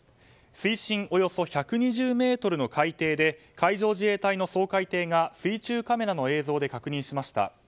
水深およそ１２０ｍの海底で海上自衛隊の掃海艇が水中カメラの映像で確認しました。